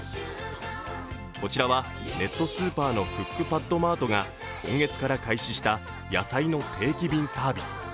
こちらはネットスーパーのクックパッドマートが今月から開始した野菜の定期便サービス。